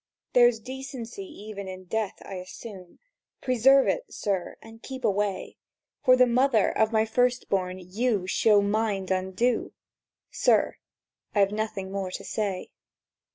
"There's decency even in death, I assume; Preserve it, sir, and keep away; For the mother of my first born you Show mind undue! —Sir, I've nothing more to say."